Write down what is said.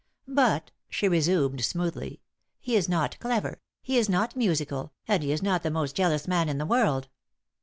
"But," she resumed smoothly, "he is not clever, he is not musical, and he is not the most jealous man in the world."